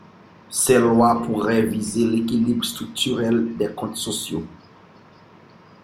Ces lois pourraient viser l'équilibre structurel des comptes sociaux.